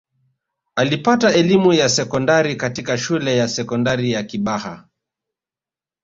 alipata elimu ya sekondari katika shule ya sekondari ya kibaha